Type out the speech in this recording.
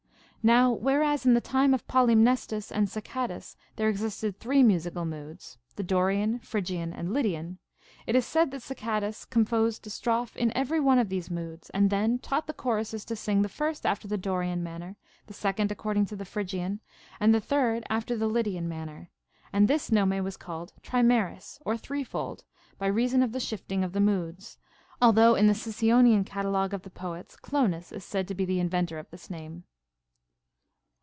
ΝοΛν Avhereas in the time of Polymnestus and Sacadas there existed three musical moods, the Dorian, Phrygian, and Lydian, it is said that Sacadas composed a strophe in every one of those moods, and then taught the choruses to sing the first after the Dorian manner, the second according to the Phrygian, and the third after the Lydian manner ; and this nome was called Trimeres (or threefold) by reason of the shifting of the moods, although in the Sicyonian cata logue of the poets Clonas is said to be the inventor of this name.